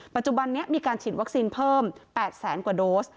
ปัจจุบันนี้มีการฉีดวัคซีนเพิ่ม๘แสนกว่าโดส